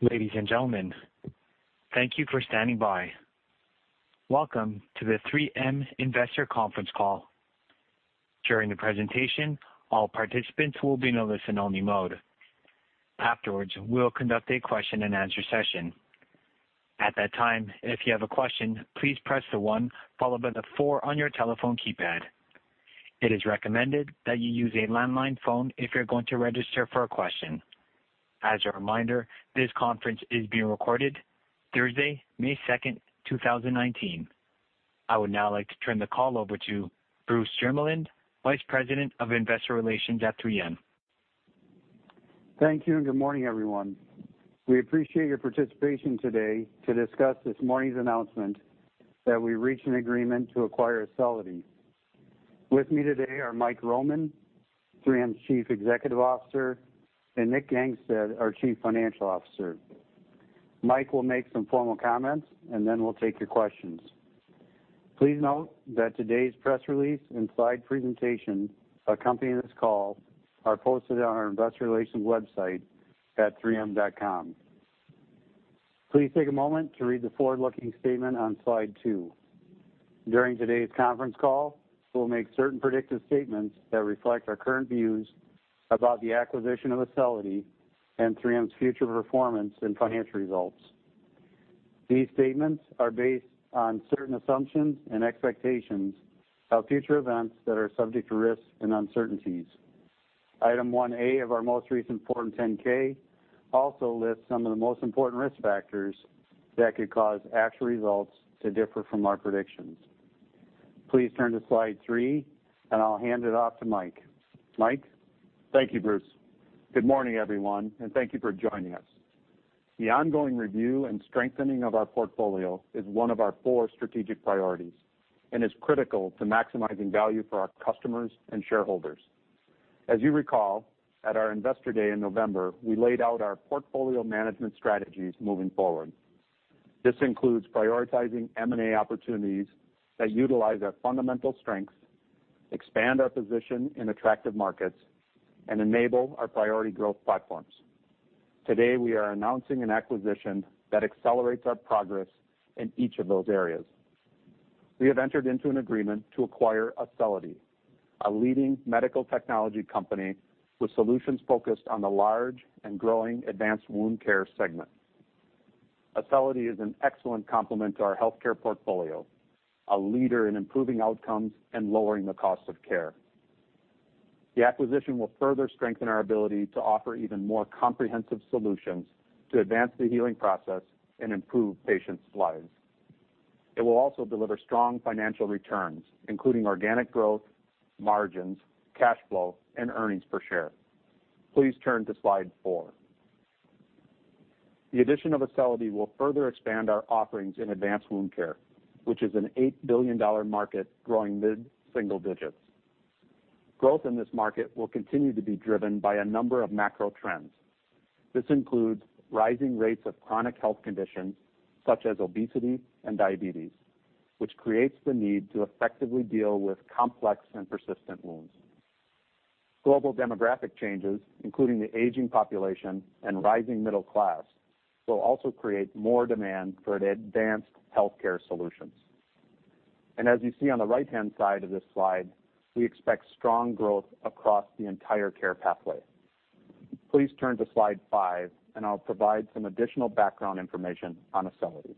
Ladies and gentlemen, thank you for standing by. Welcome to the 3M Investor Conference Call. During the presentation, all participants will be in a listen-only mode. Afterwards, we will conduct a question-and-answer session. At that time, if you have a question, please press the one followed by the four on your telephone keypad. It is recommended that you use a landline phone if you're going to register for a question. As a reminder, this conference is being recorded Thursday, May 2nd, 2019. I would now like to turn the call over to Bruce Jermeland, Vice President of Investor Relations at 3M. Thank you. Good morning, everyone. We appreciate your participation today to discuss this morning's announcement that we reached an agreement to acquire Acelity. With me today are Mike Roman, 3M's Chief Executive Officer, and Nick Gangestad, our Chief Financial Officer. Mike will make some formal comments, and then we'll take your questions. Please note that today's press release and slide presentation accompanying this call are posted on our investor relations website at 3m.com. Please take a moment to read the forward-looking statement on slide two. During today's conference call, we'll make certain predictive statements that reflect our current views about the acquisition of Acelity and 3M's future performance and financial results. These statements are based on certain assumptions and expectations about future events that are subject to risks and uncertainties. Item 1A of our most recent Form 10-K also lists some of the most important risk factors that could cause actual results to differ from our predictions. Please turn to slide three. I'll hand it off to Mike. Mike? Thank you, Bruce. Good morning, everyone. Thank you for joining us. The ongoing review and strengthening of our portfolio is one of our four strategic priorities and is critical to maximizing value for our customers and shareholders. As you recall, at our Investor Day in November, we laid out our portfolio management strategies moving forward. This includes prioritizing M&A opportunities that utilize our fundamental strengths, expand our position in attractive markets, and enable our priority growth platforms. Today, we are announcing an acquisition that accelerates our progress in each of those areas. We have entered into an agreement to acquire Acelity, a leading medical technology company with solutions focused on the large and growing advanced wound care segment. Acelity is an excellent complement to our healthcare portfolio, a leader in improving outcomes and lowering the cost of care. The acquisition will further strengthen our ability to offer even more comprehensive solutions to advance the healing process and improve patients' lives. It will also deliver strong financial returns, including organic growth, margins, cash flow, and earnings per share. Please turn to slide four. The addition of Acelity will further expand our offerings in advanced wound care, which is an $8 billion market growing mid-single digits. Growth in this market will continue to be driven by a number of macro trends. This includes rising rates of chronic health conditions such as obesity and diabetes, which creates the need to effectively deal with complex and persistent wounds. Global demographic changes, including the aging population and rising middle class, will also create more demand for advanced healthcare solutions. As you see on the right-hand side of this slide, we expect strong growth across the entire care pathway. Please turn to slide five. I'll provide some additional background information on Acelity.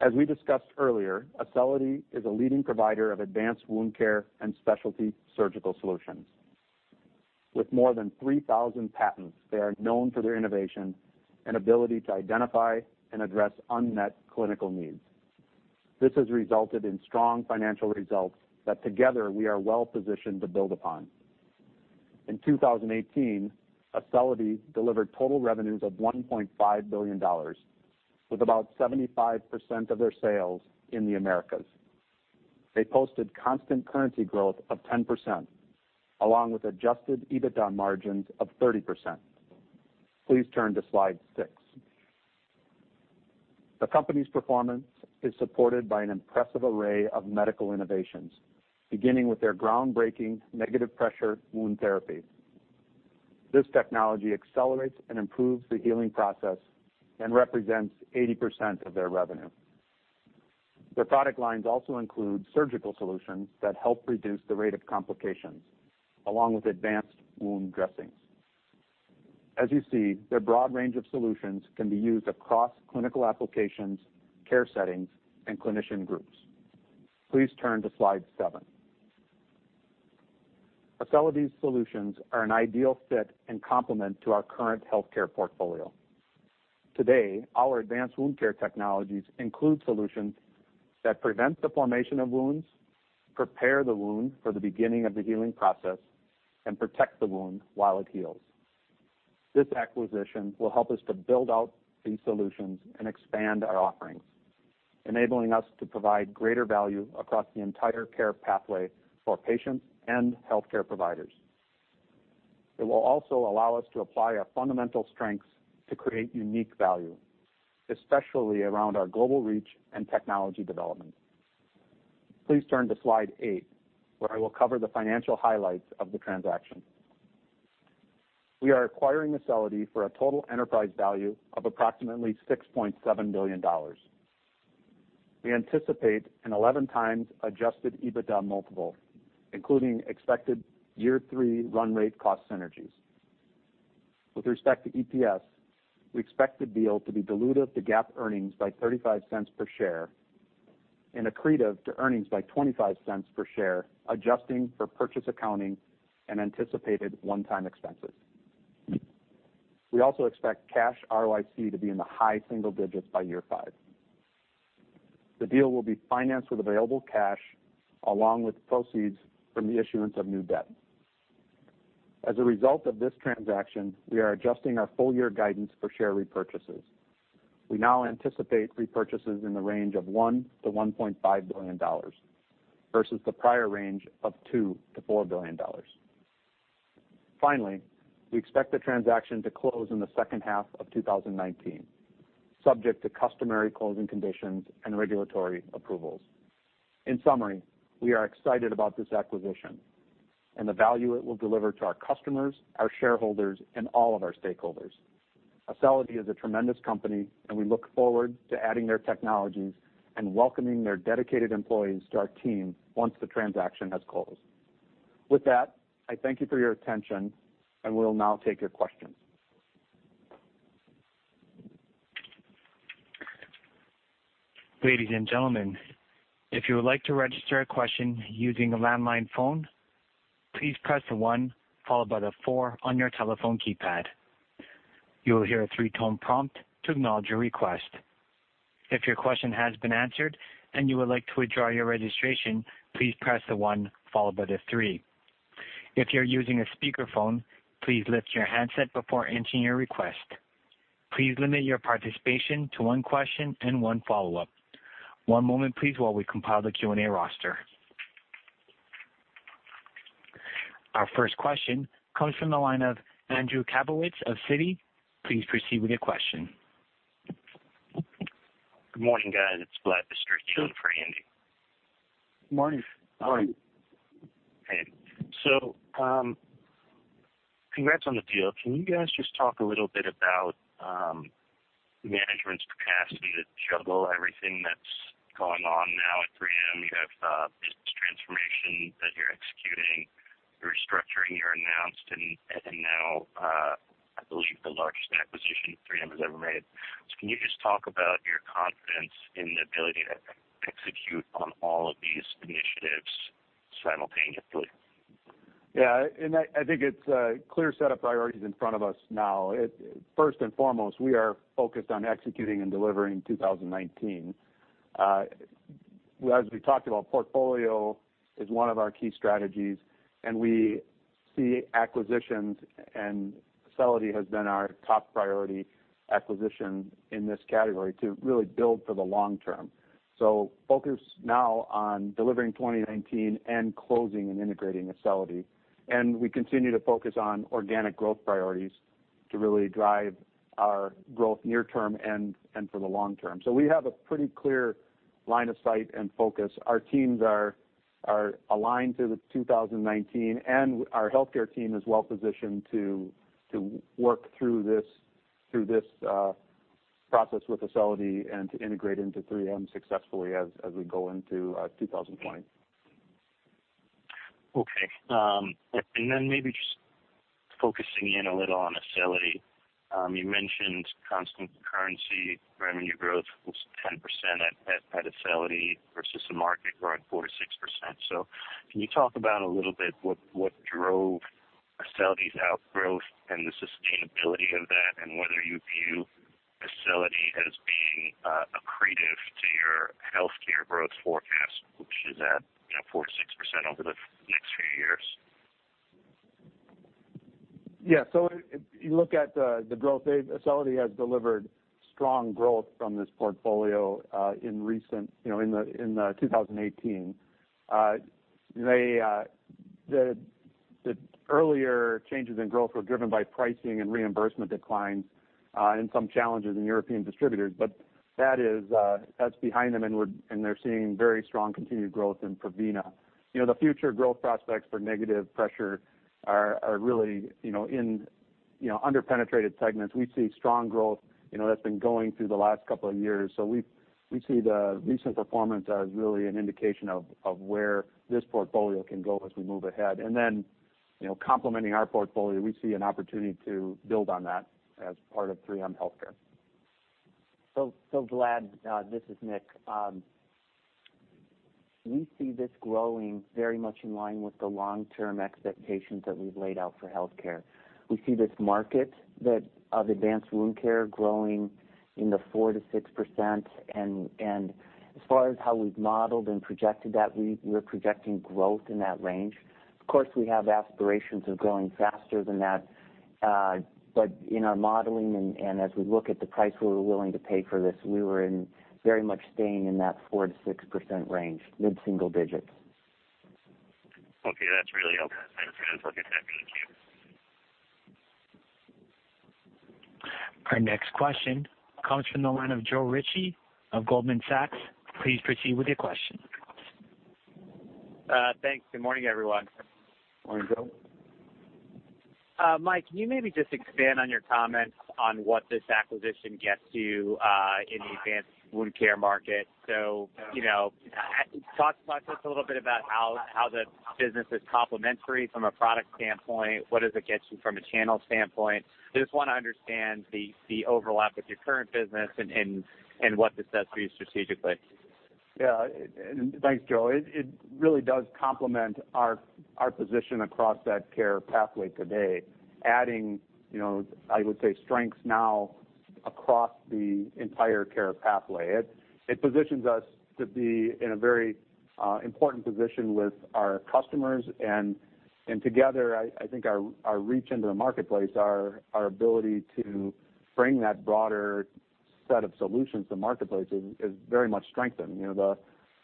As we discussed earlier, Acelity is a leading provider of advanced wound care and specialty surgical solutions. With more than 3,000 patents, they are known for their innovation and ability to identify and address unmet clinical needs. This has resulted in strong financial results that together we are well-positioned to build upon. In 2018, Acelity delivered total revenues of $1.5 billion, with about 75% of their sales in the Americas. They posted constant currency growth of 10%, along with adjusted EBITDA margins of 30%. Please turn to slide six. The company's performance is supported by an impressive array of medical innovations, beginning with their groundbreaking negative pressure wound therapy. This technology accelerates and improves the healing process and represents 80% of their revenue. Their product lines also include surgical solutions that help reduce the rate of complications, along with advanced wound dressings. As you see, their broad range of solutions can be used across clinical applications, care settings, and clinician groups. Please turn to slide seven. Acelity's solutions are an ideal fit and complement to our current healthcare portfolio. Today, our advanced wound care technologies include solutions that prevent the formation of wounds, prepare the wound for the beginning of the healing process, and protect the wound while it heals. This acquisition will help us to build out these solutions and expand our offerings, enabling us to provide greater value across the entire care pathway for patients and healthcare providers. It will also allow us to apply our fundamental strengths to create unique value, especially around our global reach and technology development. Please turn to slide 8, where I will cover the financial highlights of the transaction. We are acquiring Acelity for a total enterprise value of approximately $6.7 billion. We anticipate an 11 times adjusted EBITDA multiple, including expected year three run rate cost synergies. With respect to EPS, we expect the deal to be dilutive to GAAP earnings by $0.35 per share and accretive to earnings by $0.25 per share, adjusting for purchase accounting and anticipated one-time expenses. We also expect cash ROIC to be in the high single digits by year five. The deal will be financed with available cash along with proceeds from the issuance of new debt. As a result of this transaction, we are adjusting our full-year guidance for share repurchases. We now anticipate repurchases in the range of $1 billion-$1.5 billion versus the prior range of $2 billion-$4 billion. Finally, we expect the transaction to close in the second half of 2019, subject to customary closing conditions and regulatory approvals. In summary, we are excited about this acquisition and the value it will deliver to our customers, our shareholders and all of our stakeholders. Acelity is a tremendous company, and we look forward to adding their technologies and welcoming their dedicated employees to our team once the transaction has closed. With that, I thank you for your attention, and we will now take your questions. Ladies and gentlemen, if you would like to register a question using a landline phone, please press 1 followed by the four on your telephone keypad. You will hear a three-tone prompt to acknowledge your request. If your question has been answered and you would like to withdraw your registration, please press the one followed by the three. If you are using a speakerphone, please lift your handset before entering your request. Please limit your participation to one question and one follow-up. One moment, please, while we compile the Q&A roster. Our first question comes from the line of Andrew Kaplowitz of Citi. Please proceed with your question. Good morning, guys. It is Vlad. This is for Andy. Morning. Morning. Hey. Congrats on the deal. Can you guys just talk a little bit about management's capacity to juggle everything that is going on now at 3M? You have a business transformation that you are executing, your restructuring you announced, and now, I believe, the largest acquisition 3M has ever made. Can you just talk about your confidence in the ability to execute on all of these initiatives simultaneously? Yeah. I think it's a clear set of priorities in front of us now. First and foremost, we are focused on executing and delivering 2019. As we talked about, portfolio is one of our key strategies, and we see acquisitions, and Acelity has been our top priority acquisition in this category to really build for the long term. Focus now on delivering 2019 and closing and integrating Acelity. We continue to focus on organic growth priorities to really drive our growth near term and for the long term. We have a pretty clear line of sight and focus. Our teams are aligned to the 2019, and our healthcare team is well positioned to work through this process with Acelity and to integrate into 3M successfully as we go into 2020. Okay. Maybe just focusing in a little on Acelity. You mentioned constant currency revenue growth was 10% at Acelity versus the market growing 4%-6%. Can you talk about a little bit what drove Acelity's outgrowth and the sustainability of that, and whether you view Acelity as being accretive to your healthcare growth forecast, which is at 4%-6% over the next few years? Yeah. If you look at the growth, Acelity has delivered strong growth from this portfolio in 2018. The earlier changes in growth were driven by pricing and reimbursement declines, and some challenges in European distributors. That's behind them, and they're seeing very strong continued growth in Prevena. The future growth prospects for negative pressure are really in under-penetrated segments. We see strong growth that's been going through the last couple of years. We see the recent performance as really an indication of where this portfolio can go as we move ahead. Complementing our portfolio, we see an opportunity to build on that as part of 3M Healthcare. Vlad, this is Nick. We see this growing very much in line with the long-term expectations that we've laid out for healthcare. We see this market of advanced wound care growing in the 4%-6%, and as far as how we've modeled and projected that, we're projecting growth in that range. Of course, we have aspirations of growing faster than that, but in our modeling and as we look at the price we were willing to pay for this, we were very much staying in that 4%-6% range, mid-single digits. Okay. That's really helpful. Thanks for that perspective. Our next question comes from the line of Joe Ritchie of Goldman Sachs. Please proceed with your question. Thanks. Good morning, everyone. Morning, Joe. Mike, can you maybe just expand on your comments on what this acquisition gets you in the advanced wound care market? Talk to us a little bit about how the business is complementary from a product standpoint, what does it get you from a channel standpoint? I just want to understand the overlap with your current business and what this does for you strategically. Yeah. Thanks, Joe. It really does complement our position across that care pathway today, adding, I would say, strengths now across the entire care pathway. It positions us to be in a very important position with our customers. Together, I think our reach into the marketplace, our ability to bring that broader set of solutions to marketplace is very much strengthened.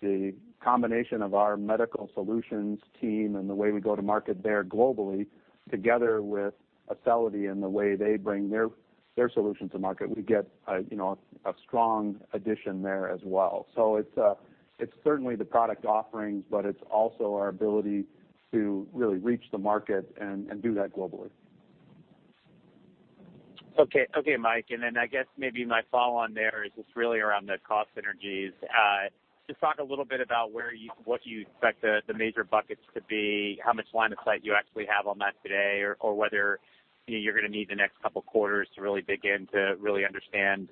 The combination of our Medical Solutions team and the way we go to market there globally, together with Acelity and the way they bring their solution to market, we get a strong addition there as well. It's certainly the product offerings, but it's also our ability to really reach the market and do that globally. Okay. Mike, then I guess maybe my follow on there is just really around the cost synergies. Just talk a little bit about what you expect the major buckets to be, how much line of sight you actually have on that today, or whether you're going to need the next couple of quarters to really begin to really understand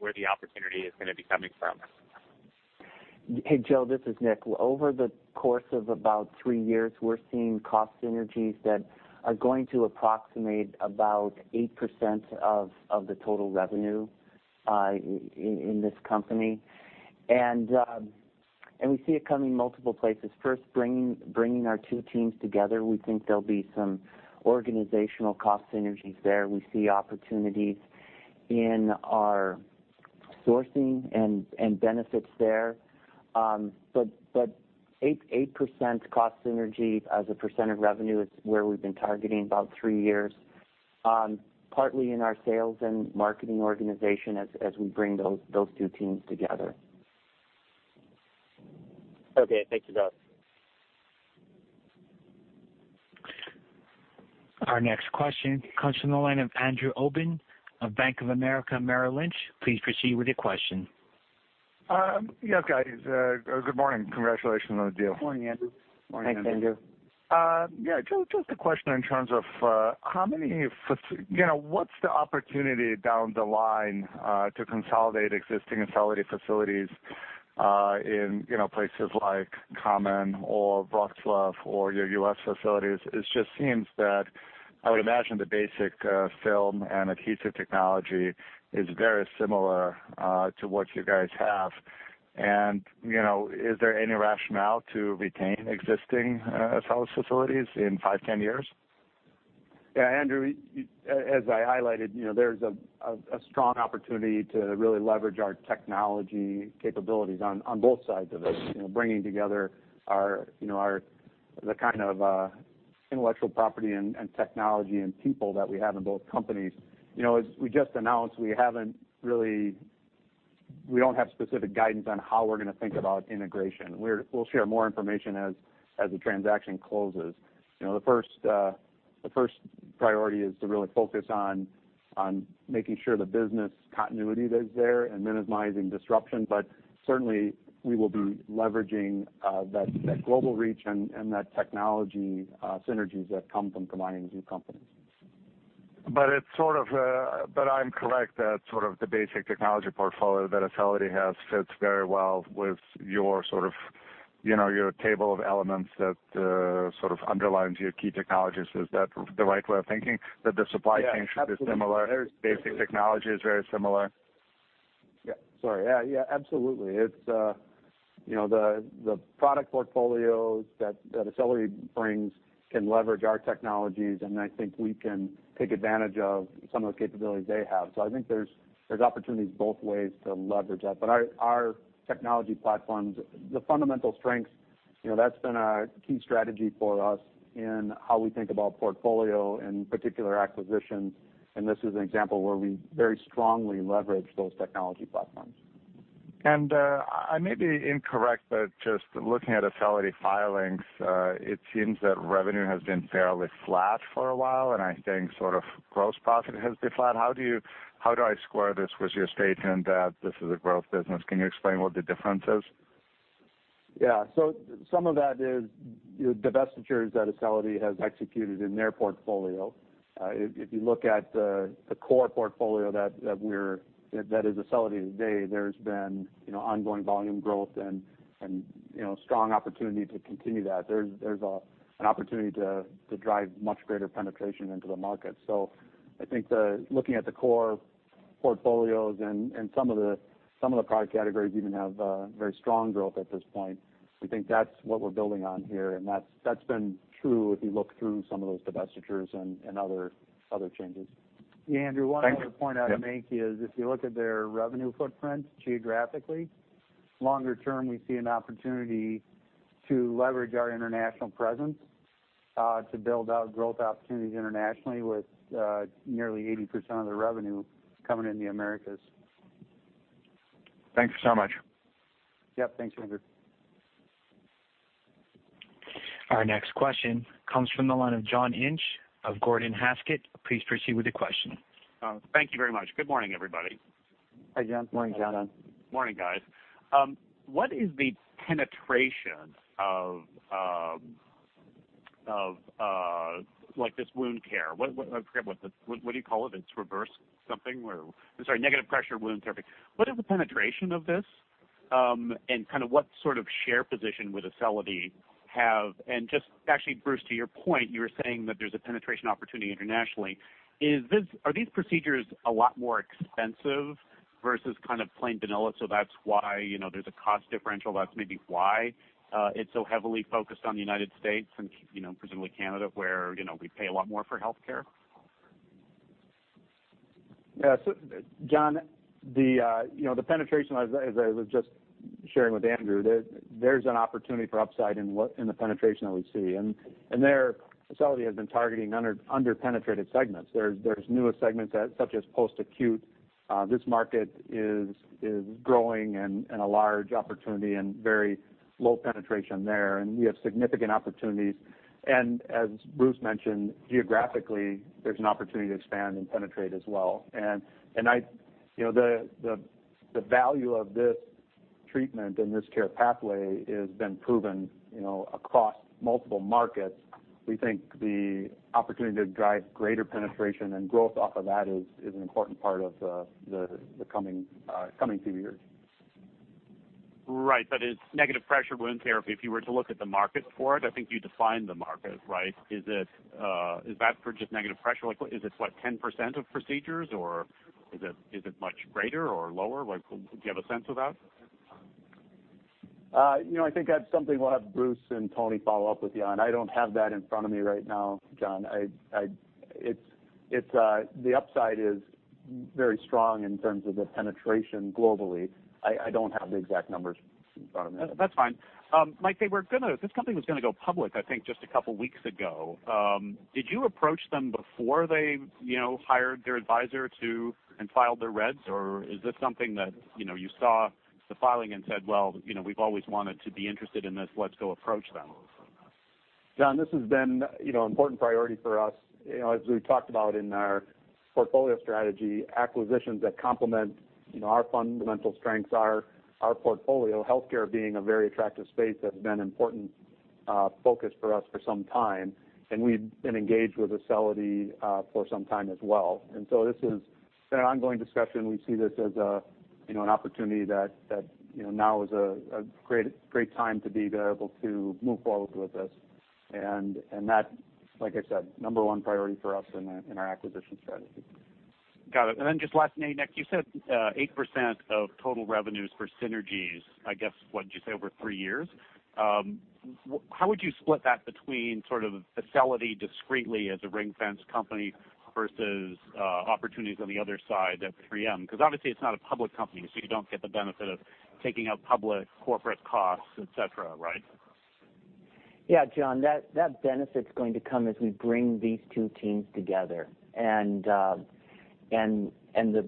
where the opportunity is going to be coming from. Hey, Joe, this is Nick. Over the course of about three years, we're seeing cost synergies that are going to approximate about 8% of the total revenue in this company. We see it coming multiple places. First, bringing our two teams together, we think there'll be some organizational cost synergies there. We see opportunities in our sourcing and benefits there. 8% cost synergy as a percent of revenue is where we've been targeting about three years, partly in our sales and marketing organization as we bring those two teams together. Okay. Thank you, guys. Our next question comes from the line of Andrew Obin of Bank of America, Merrill Lynch. Please proceed with your question. Yes, guys. Good morning. Congratulations on the deal. Morning, Andrew. Thanks, Andrew. Joe, just a question in terms of what's the opportunity down the line to consolidate existing Acelity facilities in places like Khammam or Wrocław or your U.S. facilities? It just seems that I would imagine the basic film and adhesive technology is very similar to what you guys have. Is there any rationale to retain existing Acelity facilities in five, 10 years? Yeah, Andrew, as I highlighted, there's a strong opportunity to really leverage our technology capabilities on both sides of it, bringing together the kind of intellectual property and technology and people that we have in both companies. As we just announced, we don't have specific guidance on how we're going to think about integration. We'll share more information as the transaction closes. The first priority is to really focus on making sure the business continuity is there and minimizing disruption. Certainly, we will be leveraging that global reach and that technology synergies that come from combining two companies. I'm correct that sort of the basic technology portfolio that Acelity has fits very well with your table of elements that sort of underlines your key technologies. Is that the right way of thinking? That the supply chain should be similar, basic technology is very similar. Yeah, absolutely. The product portfolios that Acelity brings can leverage our technologies, and I think we can take advantage of some of the capabilities they have. I think there's opportunities both ways to leverage that. Our technology platforms, the fundamental strengths, that's been a key strategy for us in how we think about portfolio and particular acquisitions, and this is an example where we very strongly leverage those technology platforms. I may be incorrect, but just looking at Acelity filings, it seems that revenue has been fairly flat for a while, and I think sort of gross profit has been flat. How do I square this with your statement that this is a growth business? Can you explain what the difference is? Yeah. Some of that is divestitures that Acelity has executed in their portfolio. If you look at the core portfolio that is Acelity today, there's been ongoing volume growth and strong opportunity to continue that. There's an opportunity to drive much greater penetration into the market. I think looking at the core portfolios and some of the product categories even have very strong growth at this point. We think that's what we're building on here, and that's been true if you look through some of those divestitures and other changes. Yeah, Andrew, one other point I'd make is if you look at their revenue footprint geographically, longer term, we see an opportunity to leverage our international presence To build out growth opportunities internationally with nearly 80% of the revenue coming in the Americas. Thanks so much. Yep. Thanks, Andrew. Our next question comes from the line of John Inch of Gordon Haskett. Please proceed with the question. Thank you very much. Good morning, everybody. Hi, John. Morning, John. Morning, guys. What is the penetration of this wound care? I forget, what do you call it? It's reverse something where I'm sorry, negative pressure wound therapy. What is the penetration of this? What sort of share position would Acelity have? Just actually, Bruce, to your point, you were saying that there's a penetration opportunity internationally. Are these procedures a lot more expensive versus kind of plain vanilla, so that's why there's a cost differential, that's maybe why it's so heavily focused on the United States and presumably Canada, where we pay a lot more for healthcare? Yeah. John, the penetration, as I was just sharing with Andrew, there's an opportunity for upside in the penetration that we see. There, Acelity has been targeting under-penetrated segments. There's newer segments, such as post-acute. This market is growing and a large opportunity and very low penetration there, and we have significant opportunities. As Bruce mentioned, geographically, there's an opportunity to expand and penetrate as well. The value of this treatment and this care pathway has been proven across multiple markets. We think the opportunity to drive greater penetration and growth off of that is an important part of the coming few years. Right. It's negative pressure wound therapy. If you were to look at the market for it, I think you defined the market, right? Is that for just negative pressure? Is this what, 10% of procedures or is it much greater or lower? Do you have a sense of that? I think that's something we'll have Bruce and Tony follow up with you on. I don't have that in front of me right now, John. The upside is very strong in terms of the penetration globally. I don't have the exact numbers in front of me. That's fine. Mike, this company was going to go public, I think, just a couple of weeks ago. Did you approach them before they hired their advisor to, and filed their S1s, or is this something that, you saw the filing and said, "Well, we've always wanted to be interested in this, let's go approach them"? John, this has been an important priority for us. As we talked about in our portfolio strategy, acquisitions that complement our fundamental strengths, our portfolio, healthcare being a very attractive space, has been important focus for us for some time, and we've been engaged with Acelity for some time as well. This is an ongoing discussion. We see this as an opportunity that now is a great time to be able to move forward with this, and that, like I said, number one priority for us in our acquisition strategy. Got it. Just last, Nick, you said 8% of total revenues for synergies, I guess, what did you say, over three years? How would you split that between sort of Acelity discretely as a ring-fence company versus opportunities on the other side at 3M? Because obviously it's not a public company, so you don't get the benefit of taking out public corporate costs, et cetera, right? Yeah, John, that benefit's going to come as we bring these two teams together.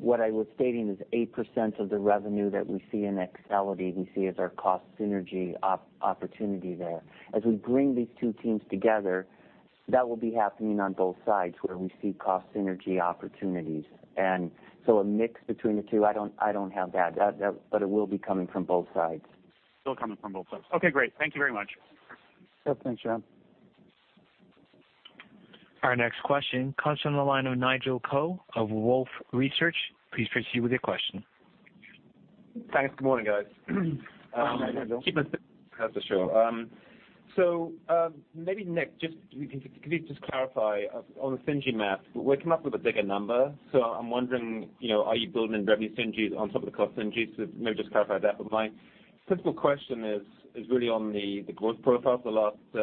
What I was stating is 8% of the revenue that we see in Acelity, we see as our cost synergy opportunity there. As we bring these two teams together, that will be happening on both sides, where we see cost synergy opportunities. So a mix between the two, I don't have that. It will be coming from both sides. It'll coming from both sides. Okay, great. Thank you very much. Yep. Thanks, John. Our next question comes from the line of Nigel Coe of Wolfe Research. Please proceed with your question. Thanks. Good morning, guys. Morning, Nigel. Keep us that's for sure. Maybe Nick, can you just clarify on the synergy map, we're coming up with a bigger number. I'm wondering, are you building in revenue synergies on top of the cost synergies? Maybe just clarify that for mine. Principal question is really on the growth profile for the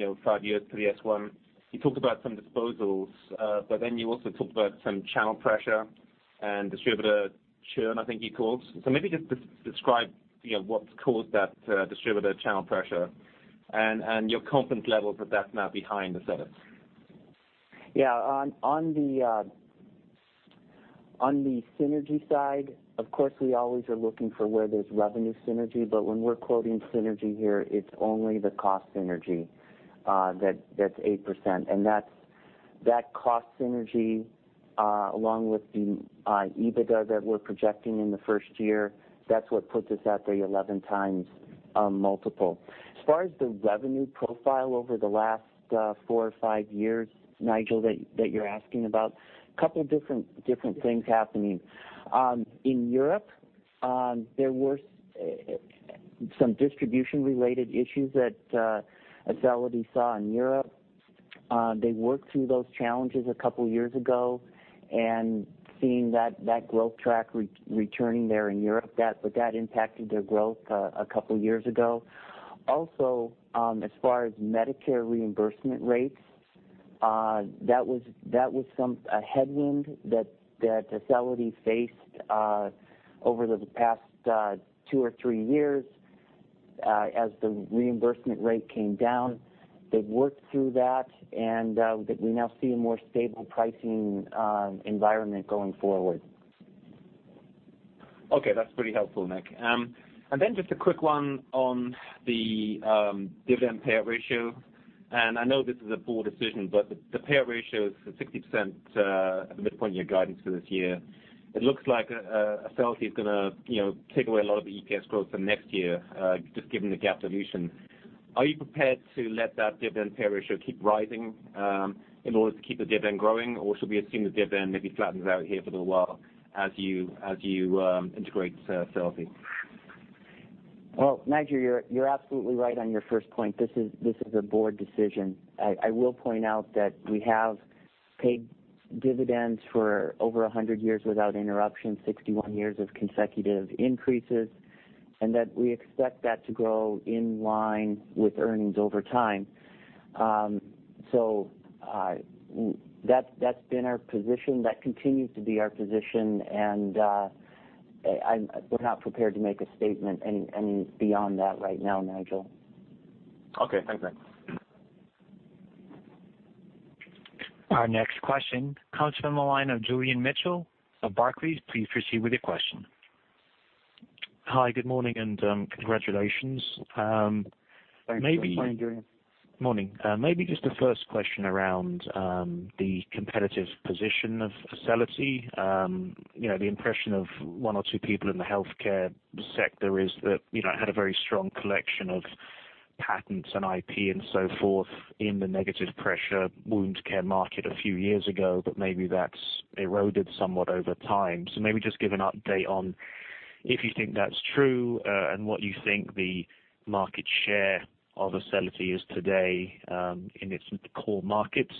last five years to the S1. You talked about some disposals, you also talked about some channel pressure and distributor churn, I think you called. Maybe just describe what's caused that distributor channel pressure and your confidence level that that's now behind Acelity. Yeah. On the synergy side, of course, we always are looking for where there's revenue synergy, but when we're quoting synergy here, it's only the cost synergy, that's 8%. That cost synergy, along with the EBITDA that we're projecting in the first year, that's what puts us at the 11x multiple. As far as the revenue profile over the last four or five years, Nigel, that you're asking about, couple different things happening. In Europe, there were some distribution-related issues that Acelity saw in Europe. They worked through those challenges a couple years ago, and seeing that growth track returning there in Europe, but that impacted their growth a couple years ago. Also, as far as Medicare reimbursement rates. That was a headwind that Acelity faced over the past two or three years as the reimbursement rate came down. They've worked through that. We now see a more stable pricing environment going forward. Okay. That's pretty helpful, Nick. Then just a quick one on the dividend payout ratio. I know this is a board decision, but the payout ratio is at 60% at the midpoint of your guidance for this year. It looks like Acelity is going to take away a lot of the EPS growth for next year, just given the GAAP solution. Are you prepared to let that dividend payout ratio keep rising in order to keep the dividend growing? Or should we assume the dividend maybe flattens out here for a little while as you integrate Acelity? Well, Nigel, you're absolutely right on your first point. This is a board decision. I will point out that we have paid dividends for over 100 years without interruption, 61 years of consecutive increases. That we expect that to grow in line with earnings over time. That's been our position, that continues to be our position. We're not prepared to make a statement any beyond that right now, Nigel. Okay. Thanks, Nick. Our next question comes from the line of Julian Mitchell of Barclays. Please proceed with your question. Hi, good morning, congratulations. Thanks, Julian. Morning, Julian. Morning. Maybe just the first question around the competitive position of Acelity. The impression of one or two people in the healthcare sector is that it had a very strong collection of patents and IP and so forth in the negative pressure wound care market a few years ago, but maybe that's eroded somewhat over time. Maybe just give an update on if you think that's true, and what you think the market share of Acelity is today in its core markets.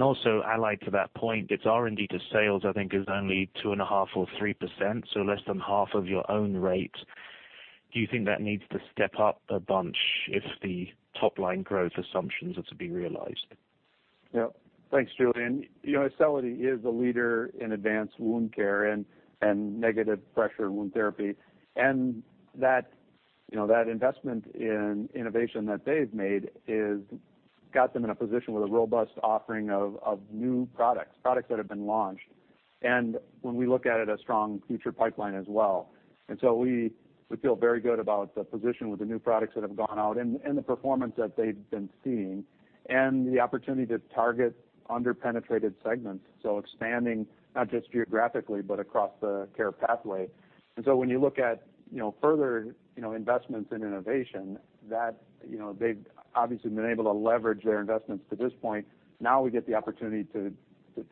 Also, allied to that point, its R&D to sales, I think is only 2.5% or 3%, less than half of your own rate. Do you think that needs to step up a bunch if the top-line growth assumptions are to be realized? Yeah. Thanks, Julian. Acelity is a leader in advanced wound care and negative pressure wound therapy. That investment in innovation that they've made got them in a position with a robust offering of new products that have been launched. When we look at it, a strong future pipeline as well. We feel very good about the position with the new products that have gone out and the performance that they've been seeing. The opportunity to target under-penetrated segments, so expanding not just geographically but across the care pathway. When you look at further investments in innovation, they've obviously been able to leverage their investments to this point. Now we get the opportunity to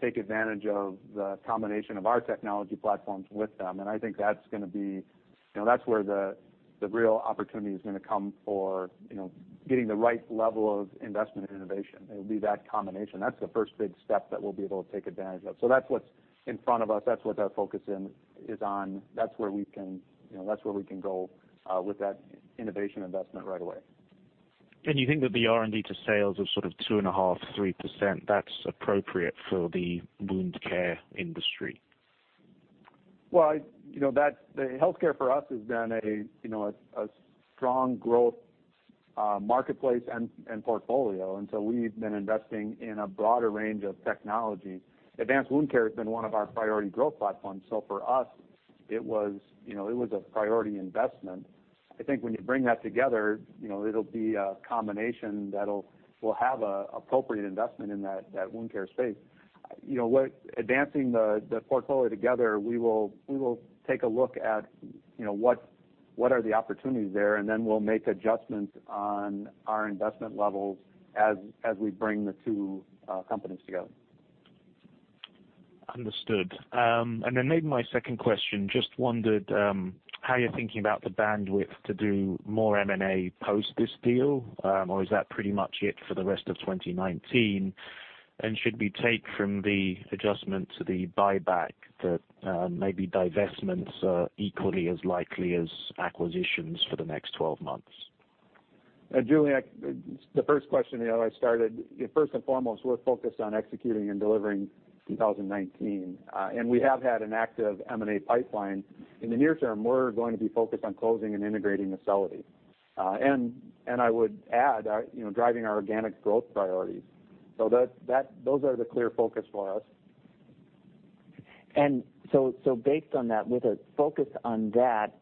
take advantage of the combination of our technology platforms with them, and I think that's where the real opportunity is going to come for getting the right level of investment in innovation. It'll be that combination. That's the first big step that we'll be able to take advantage of. That's what's in front of us, that's what our focus is on. That's where we can go with that innovation investment right away. You think that the R&D to sales of sort of 2.5%-3%, that's appropriate for the wound care industry? Well, healthcare for us has been a strong growth marketplace and portfolio, we've been investing in a broader range of technology. Advanced wound care has been one of our priority growth platforms, for us, it was a priority investment. I think when you bring that together, it'll be a combination that will have an appropriate investment in that wound care space. Advancing the portfolio together, we will take a look at what are the opportunities there, we'll make adjustments on our investment levels as we bring the two companies together. Understood. Maybe my second question, just wondered how you're thinking about the bandwidth to do more M&A post this deal. Is that pretty much it for the rest of 2019? Should we take from the adjustment to the buyback that maybe divestments are equally as likely as acquisitions for the next 12 months? Julian, the first question, I started, first and foremost, we're focused on executing and delivering 2019. We have had an active M&A pipeline. In the near term, we're going to be focused on closing and integrating Acelity. I would add, driving our organic growth priorities. Those are the clear focus for us. Based on that, with a focus on that,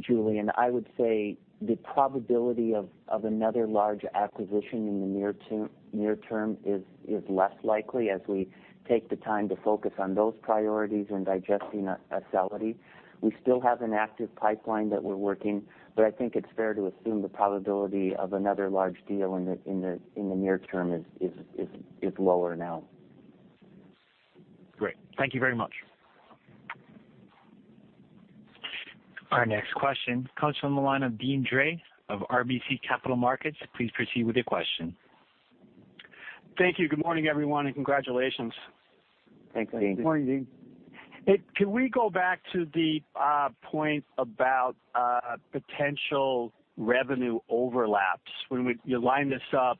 Julian, I would say the probability of another large acquisition in the near term is less likely as we take the time to focus on those priorities and digesting Acelity. We still have an active pipeline that we're working, but I think it's fair to assume the probability of another large deal in the near term is lower now. Great. Thank you very much. Our next question comes from the line of Deane Dray of RBC Capital Markets. Please proceed with your question. Thank you. Good morning, everyone, and congratulations. Thanks, Deane. Morning, Deane. Can we go back to the point about potential revenue overlaps? When you line this up,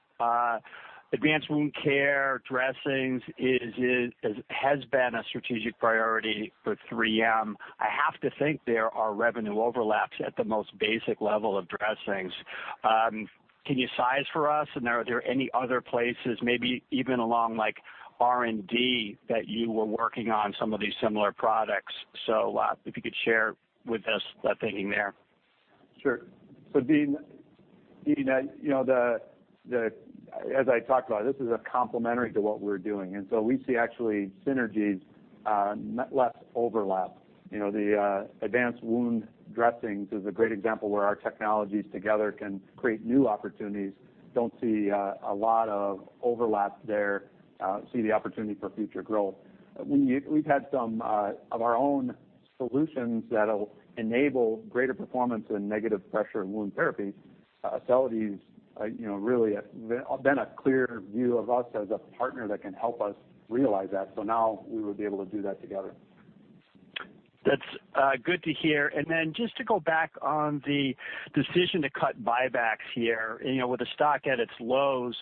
advanced wound care dressings has been a strategic priority for 3M. I have to think there are revenue overlaps at the most basic level of dressings. Can you size for us, and are there any other places, maybe even along R&D, that you were working on some of these similar products? If you could share with us that thinking there. Sure. Deane, as I talked about, this is complementary to what we're doing. We see actually synergies, not less overlap. The advanced wound dressings is a great example where our technologies together can create new opportunities. Do not see a lot of overlap there. See the opportunity for future growth. We've had some of our own solutions that'll enable greater performance in negative pressure wound therapy. Acelity's really been a clear view of us as a partner that can help us realize that. Now we will be able to do that together. That's good to hear. Just to go back on the decision to cut buybacks here. With the stock at its lows,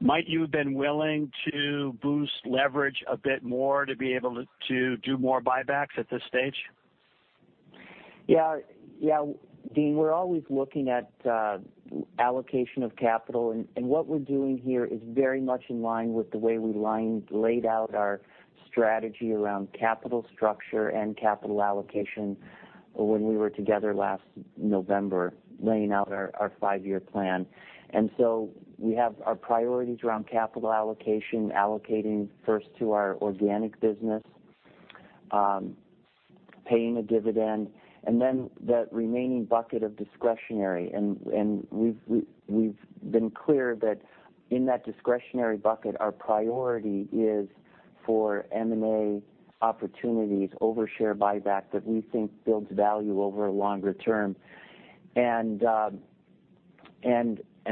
might you have been willing to boost leverage a bit more to be able to do more buybacks at this stage? Yeah, Deane, we're always looking at allocation of capital, and what we're doing here is very much in line with the way we laid out our strategy around capital structure and capital allocation when we were together last November, laying out our five-year plan. We have our priorities around capital allocation, allocating first to our organic business, paying a dividend, and then that remaining bucket of discretionary. We've been clear that in that discretionary bucket, our priority is for M&A opportunities over share buyback that we think builds value over a longer term.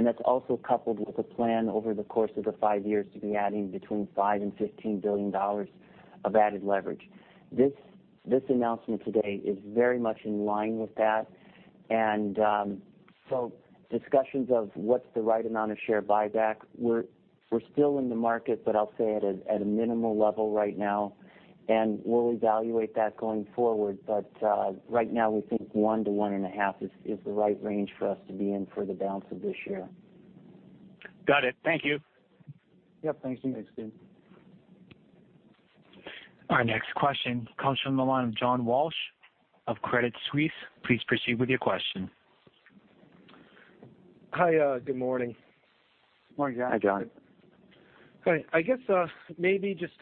That's also coupled with a plan over the course of the five years to be adding between $5 billion and $15 billion of added leverage. This announcement today is very much in line with that. Discussions of what's the right amount of share buyback, we're still in the market, but I'll say at a minimal level right now, and we'll evaluate that going forward. Right now, we think one to one and a half is the right range for us to be in for the balance of this year. Got it. Thank you. Yep, thanks. Thanks, Deane. Our next question comes from the line of John Walsh of Credit Suisse. Please proceed with your question. Hi, good morning. Morning, John. Hi, John. Great. I guess maybe just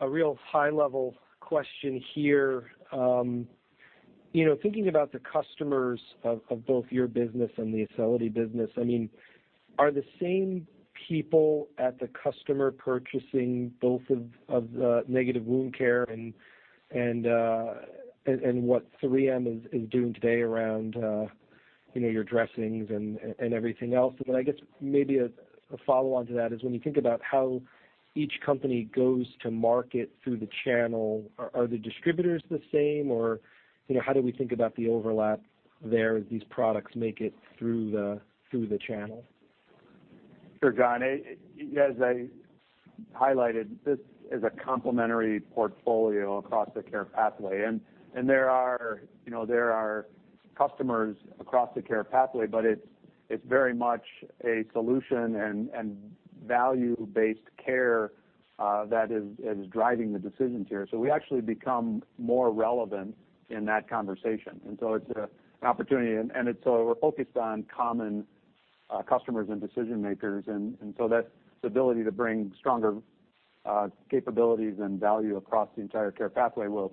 a real high-level question here. Thinking about the customers of both your business and the Acelity business, are the same people at the customer purchasing both of the negative wound care and what 3M is doing today around your dressings and everything else? Then I guess maybe a follow-on to that is when you think about how each company goes to market through the channel, are the distributors the same, or how do we think about the overlap there as these products make it through the channel? Sure, John. As I highlighted, this is a complementary portfolio across the care pathway, there are customers across the care pathway, it's very much a solution and value-based care that is driving the decisions here. We actually become more relevant in that conversation. It's an opportunity, we're focused on common customers and decision-makers, that ability to bring stronger capabilities and value across the entire care pathway will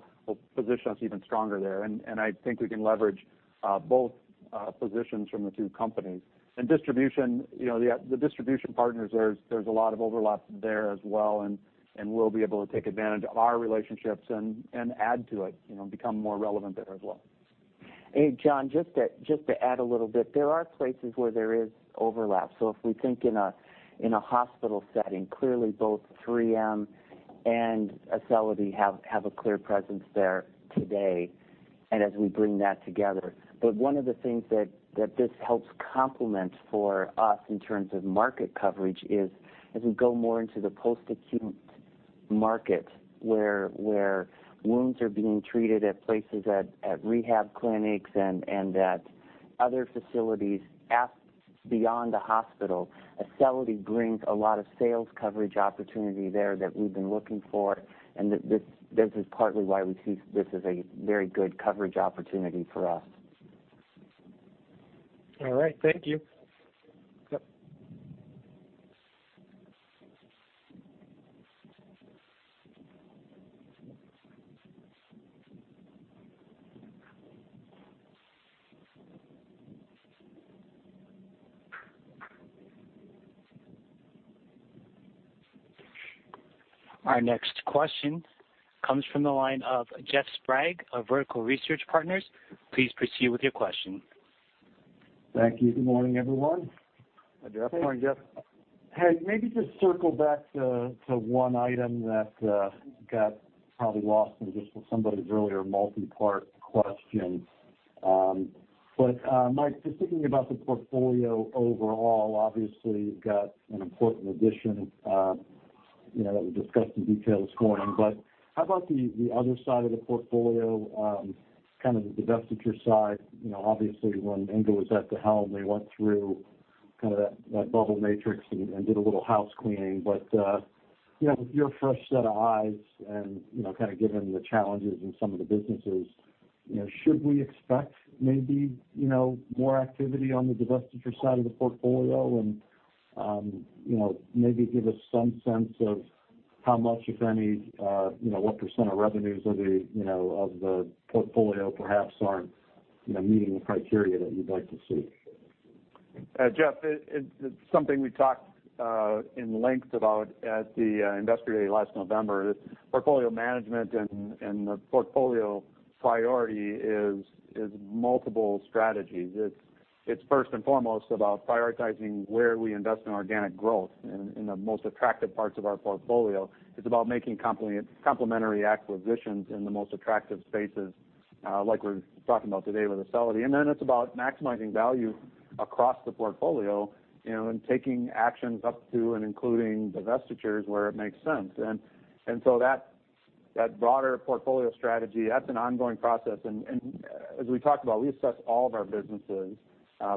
position us even stronger there. I think we can leverage both positions from the two companies. The distribution partners, there's a lot of overlap there as well, we'll be able to take advantage of our relationships and add to it, become more relevant there as well. Hey, John, just to add a little bit, there are places where there is overlap. If we think in a hospital setting, clearly both 3M and Acelity have a clear presence there today and as we bring that together. One of the things that this helps complement for us in terms of market coverage is as we go more into the post-acute market, where wounds are being treated at places at rehab clinics and at other facilities beyond the hospital, Acelity brings a lot of sales coverage opportunity there that we've been looking for, this is partly why we see this as a very good coverage opportunity for us. All right. Thank you. Yep. Our next question comes from the line of Jeff Sprague of Vertical Research Partners. Please proceed with your question Thank you. Good morning, everyone. Good morning, Jeff. Hey, maybe just circle back to one item that got probably lost in just somebody's earlier multi-part question. Mike, just thinking about the portfolio overall, obviously, you've got an important addition that we discussed in detail this morning, but how about the other side of the portfolio, kind of the divestiture side? Obviously, when Inge was at the helm, they went through that bubble matrix and did a little house cleaning. With your fresh set of eyes and kind of given the challenges in some of the businesses, should we expect maybe more activity on the divestiture side of the portfolio? Maybe give us some sense of how much, if any, what % of revenues of the portfolio perhaps aren't meeting the criteria that you'd like to see. Jeff, it's something we talked in length about at the Investor Day last November. Portfolio management and the portfolio priority is multiple strategies. It's first and foremost about prioritizing where we invest in organic growth in the most attractive parts of our portfolio. It's about making complementary acquisitions in the most attractive spaces, like we're talking about today with Acelity. Then it's about maximizing value across the portfolio, and taking actions up to and including divestitures where it makes sense. So that broader portfolio strategy, that's an ongoing process. As we talked about, we assess all of our businesses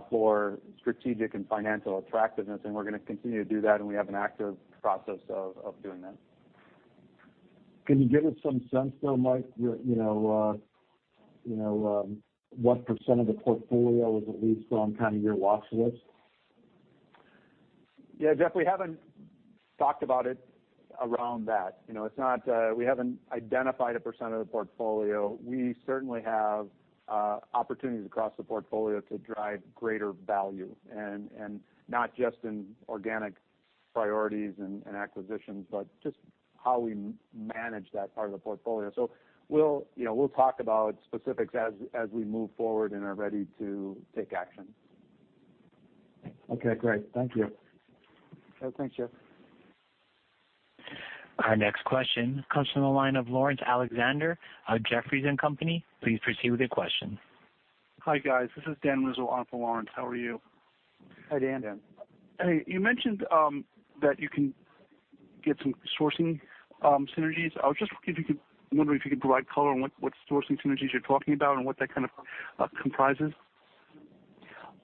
for strategic and financial attractiveness, and we're going to continue to do that, and we have an active process of doing that. Can you give us some sense, though, Mike, what % of the portfolio is at least on kind of your watch list? Yeah, Jeff, we haven't talked about it around that. We haven't identified a % of the portfolio. We certainly have opportunities across the portfolio to drive greater value, and not just in organic priorities and acquisitions, but just how we manage that part of the portfolio. We'll talk about specifics as we move forward and are ready to take action. Okay, great. Thank you. Yeah, thanks, Jeff. Our next question comes from the line of Laurence Alexander of Jefferies & Company. Please proceed with your question. Hi, guys. This is Dan Rizzo on for Laurence. How are you? Hi, Dan. Dan. Hey, you mentioned that you can get some sourcing synergies. I was just wondering if you could provide color on what sourcing synergies you're talking about and what that kind of comprises.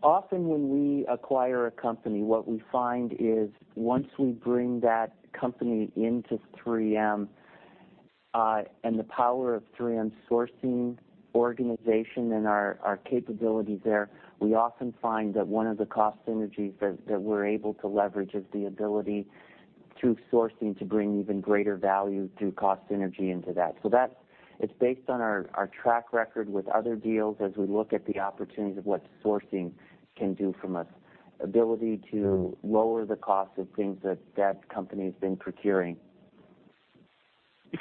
Often when we acquire a company, what we find is once we bring that company into 3M, and the power of 3M sourcing organization and our capabilities there, we often find that one of the cost synergies that we're able to leverage is the ability through sourcing to bring even greater value through cost synergy into that. It's based on our track record with other deals as we look at the opportunities of what sourcing can do from an ability to lower the cost of things that that company's been procuring.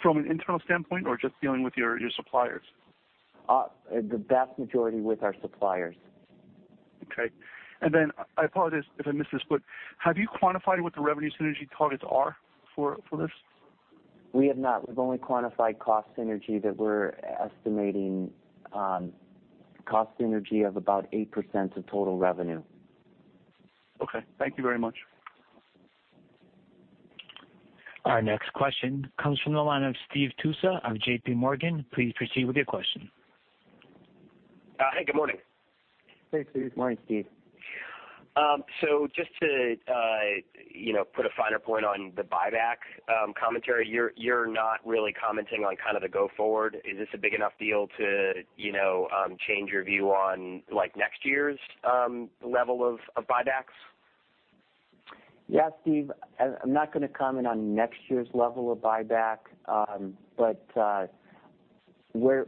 From an internal standpoint or just dealing with your suppliers? The vast majority with our suppliers. Okay. I apologize if I missed this, have you quantified what the revenue synergy targets are for this? We have not. We've only quantified cost synergy that we're estimating cost synergy of about 8% of total revenue. Okay. Thank you very much. Our next question comes from the line of Steve Tusa of J.P. Morgan. Please proceed with your question. Hi, good morning. Hey, Steve. Morning, Steve. Just to put a finer point on the buyback commentary, you're not really commenting on kind of the go forward. Is this a big enough deal to change your view on next year's level of buybacks?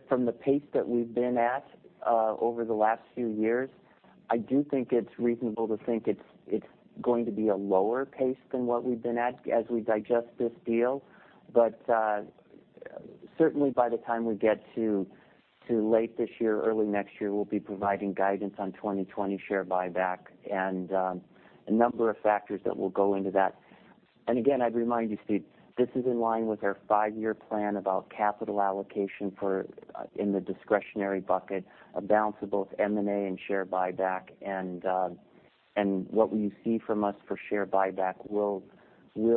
From the pace that we've been at over the last few years, I do think it's reasonable to think it's going to be a lower pace than what we've been at as we digest this deal. Certainly, by the time we get to late this year, early next year, we'll be providing guidance on 2020 share buyback and a number of factors that will go into that. Again, I'd remind you, Steve, this is in line with our five-year plan about capital allocation in the discretionary bucket, a balance of both M&A and share buyback. What you see from us for share buyback will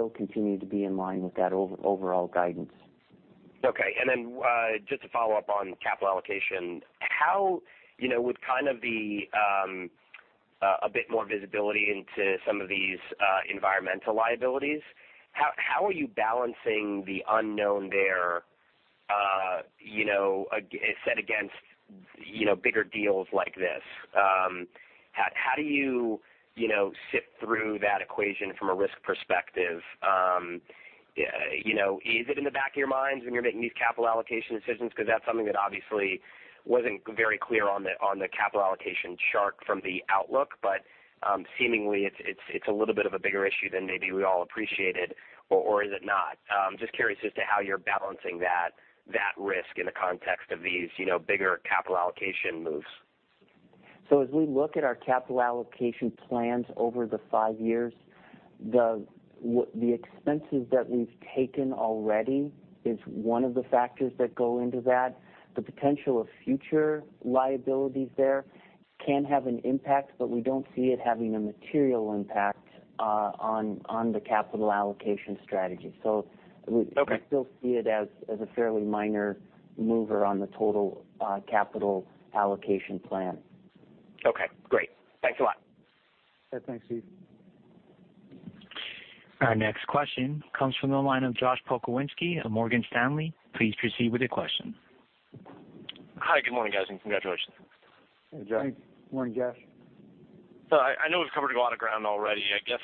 continue to be in line with that overall guidance. Okay. Just to follow up on capital allocation, with kind of a bit more visibility into some of these environmental liabilities, how are you balancing the unknown there set against bigger deals like this? How do you sift through that equation from a risk perspective? Is it in the back of your minds when you're making these capital allocation decisions? That's something that obviously wasn't very clear on the capital allocation chart from the outlook. Seemingly, it's a little bit of a bigger issue than maybe we all appreciated, or is it not? I'm just curious as to how you're balancing that risk in the context of these bigger capital allocation moves. As we look at our capital allocation plans over the five years, the expenses that we've taken already is one of the factors that go into that. The potential of future liabilities there can have an impact, but we don't see it having a material impact on the capital allocation strategy. Okay We still see it as a fairly minor mover on the total capital allocation plan. Okay, great. Thanks a lot. Yeah. Thanks, Steve. Our next question comes from the line of Josh Pokrzywinski of Morgan Stanley. Please proceed with your question. Hi. Good morning, guys, and congratulations. Hey, Josh. Good morning, Josh. I know we've covered a lot of ground already. I guess,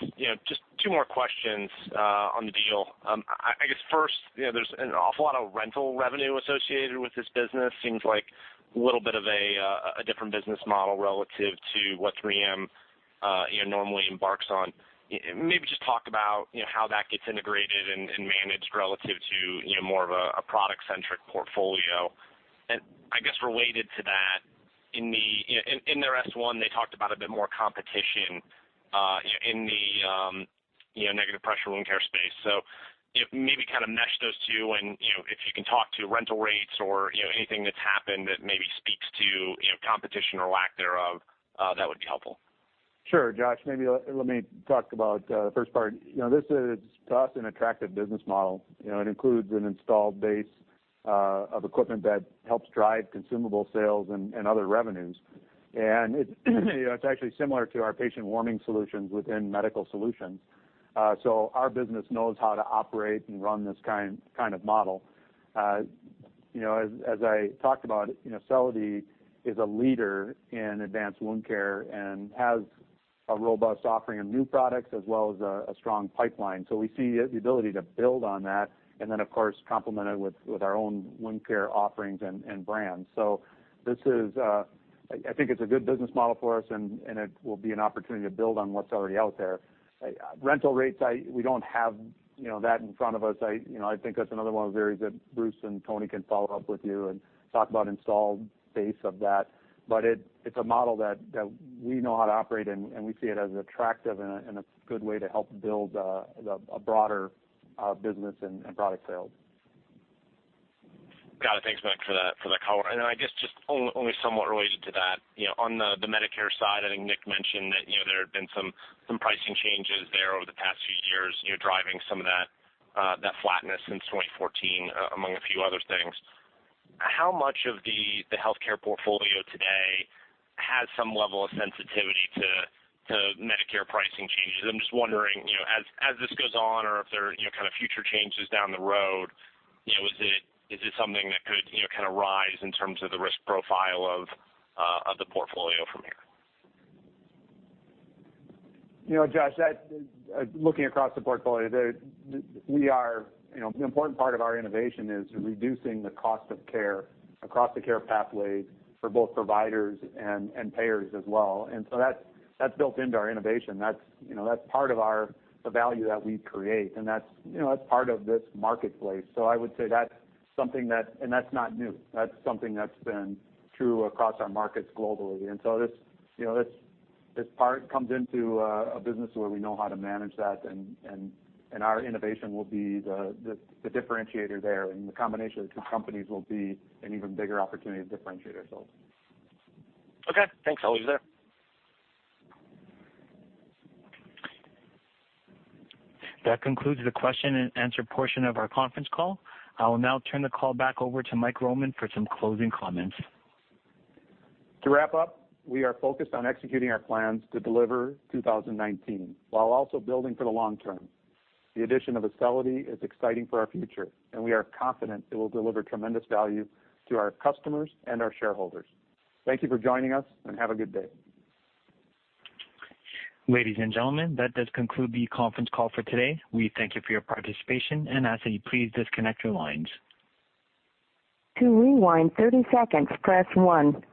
just two more questions on the deal. I guess first, there's an awful lot of rental revenue associated with this business. Seems like a little bit of a different business model relative to what 3M normally embarks on. Maybe just talk about how that gets integrated and managed relative to more of a product-centric portfolio. And I guess related to that, in their S1, they talked about a bit more competition in the negative pressure wound care space. If maybe kind of mesh those two and if you can talk to rental rates or anything that's happened that maybe speaks to competition or lack thereof, that would be helpful. Sure, Josh. Maybe let me talk about the first part. This is, to us, an attractive business model. It includes an installed base of equipment that helps drive consumable sales and other revenues. It's actually similar to our patient warming solutions within Medical Solutions. Our business knows how to operate and run this kind of model. As I talked about, Acelity is a leader in advanced wound care and has a robust offering of new products as well as a strong pipeline. We see the ability to build on that, and then of course, complement it with our own wound care offerings and brands. I think it's a good business model for us, and it will be an opportunity to build on what's already out there. Rental rates, we don't have that in front of us. I think that's another one of the areas that Bruce and Tony can follow up with you and talk about installed base of that. It's a model that we know how to operate, and we see it as attractive and a good way to help build a broader business in product sales. Got it. Thanks, Mike, for that color. Then I guess just only somewhat related to that, on the Medicare side, I think Nick mentioned that there have been some pricing changes there over the past few years, driving some of that flatness since 2014, among a few other things. How much of the healthcare portfolio today has some level of sensitivity to Medicare pricing changes? I'm just wondering, as this goes on or if there are kind of future changes down the road, is it something that could kind of rise in terms of the risk profile of the portfolio from here? Josh, looking across the portfolio, an important part of our innovation is reducing the cost of care across the care pathway for both providers and payers as well. That's built into our innovation. That's part of the value that we create, and that's part of this marketplace. I would say that's something that That's not new. That's something that's been true across our markets globally. This part comes into a business where we know how to manage that, and our innovation will be the differentiator there. The combination of the two companies will be an even bigger opportunity to differentiate ourselves. Okay. Thanks. I'll leave it there. That concludes the question and answer portion of our conference call. I will now turn the call back over to Mike Roman for some closing comments. To wrap up, we are focused on executing our plans to deliver 2019 while also building for the long term. The addition of Acelity is exciting for our future, and we are confident it will deliver tremendous value to our customers and our shareholders. Thank you for joining us, and have a good day. Ladies and gentlemen, that does conclude the conference call for today. We thank you for your participation and ask that you please disconnect your lines. To rewind 30 seconds, press 1.